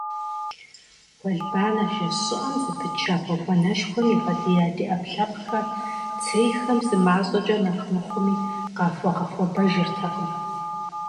Уэлбанэ жэщ щӀыӀэм зэпытча гъуэгуанэшхуэм игъэдия ди Ӏэпкълъэпкъхэр цейхэм зымащӀэкӀэ нэхъ мыхъуми къахуэгъэхуэбэжыртэкъым!